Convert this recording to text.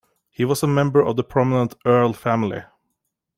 He was a member of the prominent Earle family.